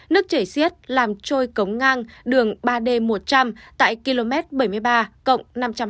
nước chảy xiết làm trôi cống ngang đường ba d một trăm linh tại km bảy mươi ba cộng năm trăm hai mươi